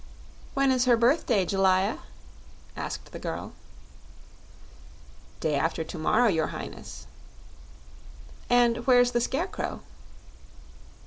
"When is her birthday, Jellia?" asked the girl. "Day after to morrow, your Highness." "And where's the Scarecrow?"